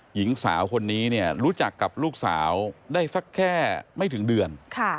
หญิงสาวคนนี้เนี่ยรู้จักกับลูกสาวได้สักแค่ไม่ถึงเดือน